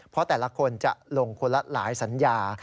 เพราะแต่ละคนจะลงคนละหลายสัญญา